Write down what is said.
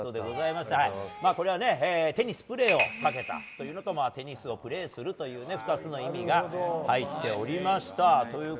これは手にスプレーをかけたということとテニスをプレーするという２つの意味が入っておりました。